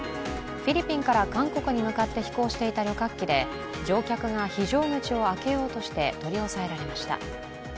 フィリピンから韓国に向かって飛行していた旅客機で乗客が非常口を開けようとして取り押さえられました。